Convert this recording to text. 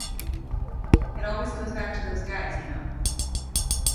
It always goes back to those guys, you know?